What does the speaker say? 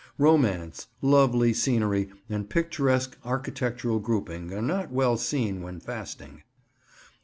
Romance, lovely scenery, and picturesque architectural grouping are not well seen when fasting.